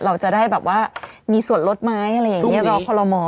เราจะได้แบบว่ามีส่วนลดไหมอะไรอย่างนี้รอคอลโลมอล